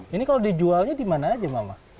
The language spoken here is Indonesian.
ini kalau dijualnya di mana aja mama